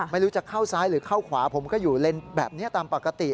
ไม่รู้จะเข้าซ้ายหรือเข้าขวาผมก็อยู่เลนแบบนี้ตามปกติ